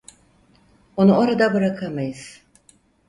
Onu orada bırakamayız.